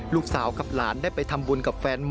ลูกสาวกับหลานได้ไปทำบุญกับแฟนใหม่